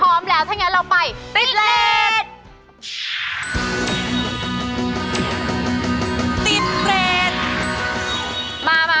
พร้อมแล้วเราไปติดเลช